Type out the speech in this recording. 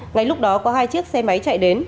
ngay lúc đó có hai chiếc xe máy chạy đến